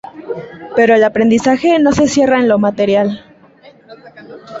Pero el aprendizaje no se cierra en lo material.